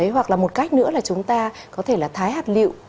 hoặc là một cách nữa là chúng ta có thể là thái hạt liệu